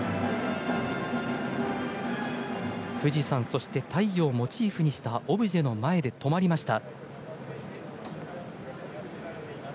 富士山そして太陽をモチーフにしたオブジェの前で止まりました。